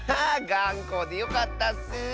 がんこでよかったッス。